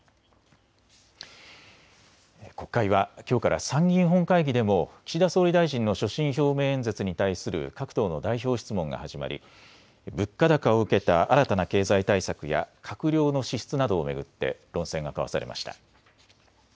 国会はきょうから参議院本会議でも岸田総理大臣の所信表明演説に対する各党の代表質問が始まり物価高を受けた新たな経済対策や閣僚の資質などを巡って論戦が交わされました。